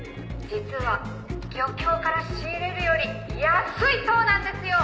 実は漁協から仕入れるより安いそうなんですよ！